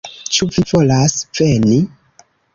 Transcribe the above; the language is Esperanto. Ĉu vi volas veni?